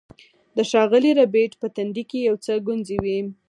د ښاغلي ربیټ په تندي کې یو څه ګونځې وې